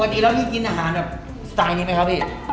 ปกติแล้วที่กินอาหารแบบสไตล์นี้ไหมครับพี่